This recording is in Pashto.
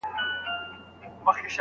عراق ته د صادراتو کچه ټیټه ده.